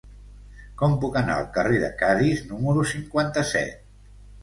Com puc anar al carrer de Cadis número cinquanta-set?